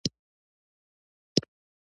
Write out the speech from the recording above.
د هغه په خبرو کې یوه هم علمي خبره نه وه.